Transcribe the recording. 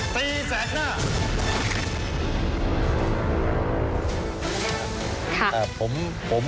ผมผมผม